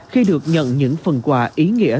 khi được nhận những phần quà ý nghĩa